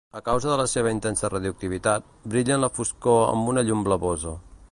A causa de la seva intensa radioactivitat, brilla en la foscor amb una llum blavosa.